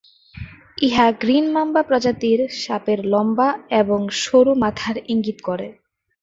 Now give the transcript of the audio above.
ইহা green mamba প্রজাতির সাপের লম্বা এবং সরু মাথার ইঙ্গিত করে।